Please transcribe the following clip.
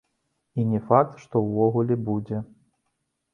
І не факт, што ўвогуле будзе.